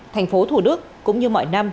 tp thủ đức cũng như mọi năm